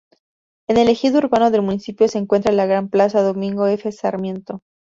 En el ejido urbano del municipio se encuentra la gran plaza "Domingo F. Sarmiento".